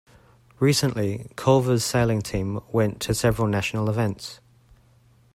Recently Culver's sailing team went to several national events.